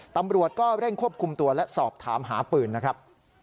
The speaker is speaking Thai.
ตำรวจก็เร่งควบคุมตัวและสอบถามหาปืนนะครับ